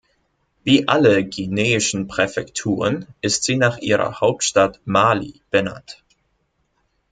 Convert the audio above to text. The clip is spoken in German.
Wie alle guineischen Präfekturen ist sie nach ihrer Hauptstadt, Mali, benannt.